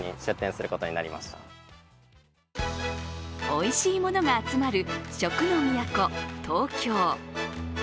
おいしいものが集まる食の都